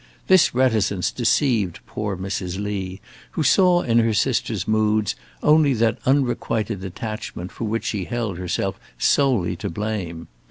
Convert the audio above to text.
This reticence deceived poor Mrs. Lee, who saw in her sister's moods only that unrequited attachment for which she held herself solely to blame.